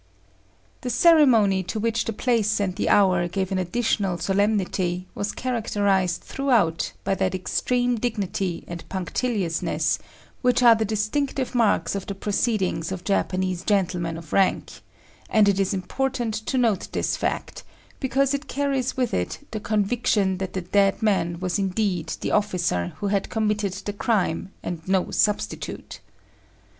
The ceremony, to which the place and the hour gave an additional solemnity, was characterized throughout by that extreme dignity and punctiliousness which are the distinctive marks of the proceedings of Japanese gentlemen of rank; and it is important to note this fact, because it carries with it the conviction that the dead man was indeed the officer who had committed the crime, and no substitute.